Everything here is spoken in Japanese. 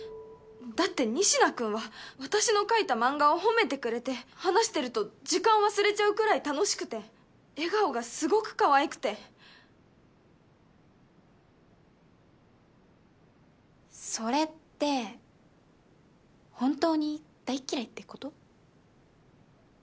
だって仁科君は私の描いた漫画を褒めてくれて話してると時間忘れちゃうくらい楽しくて笑顔がすごくかわいくてそれって本当に大嫌いってこと？